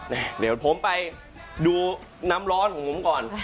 เดี๋ยวผมไปดูน้ำร้อนของผมก่อน